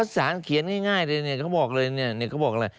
สารเขียนง่ายก็บอกเลย